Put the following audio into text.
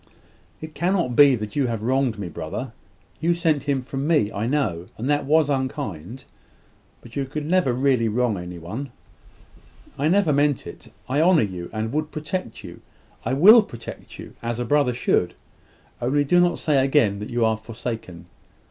"It cannot be that you have wronged me, brother. You sent him from me, I know; and that was unkind: but you could never really wrong any one." "I never meant it. I honour you, and would protect you I will protect you as a brother should. Only do not say again that you are forsaken.